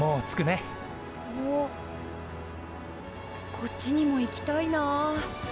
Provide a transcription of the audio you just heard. こっちにも行きたいな。